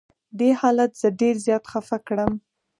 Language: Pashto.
دې حالت زه ډېر زیات خفه کړم.